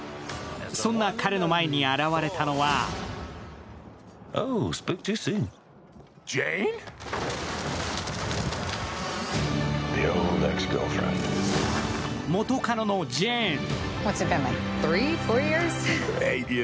そんな彼の前に現れたのは元カノのジェーン。